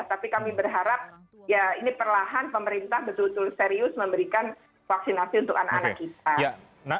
tapi kami berharap ya ini perlahan pemerintah betul betul serius memberikan vaksinasi untuk anak anak kita